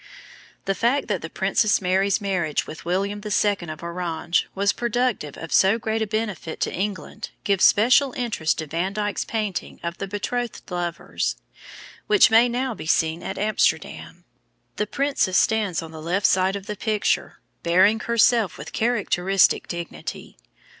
The fact that the Princess Mary's marriage with William II. of Orange was productive of so great a benefit to England gives special interest to Van Dyck's painting of the betrothed lovers, which may now be seen at Amsterdam. The princess stands on the left side of the picture, bearing herself with characteristic dignity.